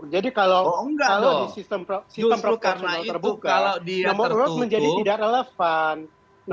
jadi kalau di sistem profesional terbuka nomor urut menjadi tidak relevan